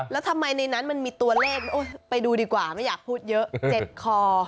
แล้วทำไมในนั้นมันมีตัวเลขไปดูดีกว่าไม่อยากพูดเยอะเจ็บคอ